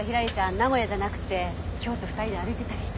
名古屋じゃなくて京都二人で歩いてたりして。